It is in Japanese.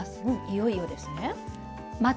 いよいよですね。